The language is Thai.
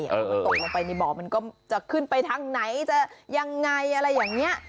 ถ้ามันตกลงไปในบ่อมันก็จะขึ้นไปทางไหนจะยังไงอะไรอย่างนี้